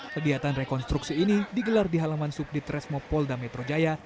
kegiatan rekonstruksi ini digelar di halaman subdit resmo polda metro jaya